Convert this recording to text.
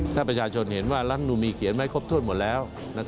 ถ้าประชาชนเห็นว่ารัฐมนุนมีเขียนไว้ครบถ้วนหมดแล้ว